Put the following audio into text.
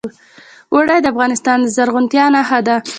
اوړي د افغانستان د زرغونتیا نښه ده.